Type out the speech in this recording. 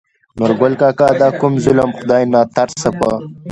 نورګل کاکا : دا کوم ظلم خداى ناترسه په